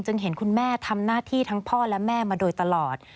เห็นคุณแม่ทำหน้าที่ทั้งพ่อและแม่มาโดยตลอด